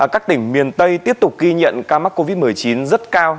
các tỉnh miền tây tiếp tục ghi nhận ca mắc covid một mươi chín rất cao